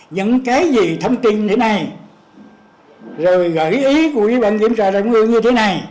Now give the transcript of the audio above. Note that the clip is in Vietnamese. những cái gì thông tin thế này rồi gợi ý của ủy ban kiểm tra trung ương như thế này